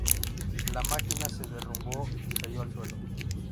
La máquina se derrumbó y cayó al suelo.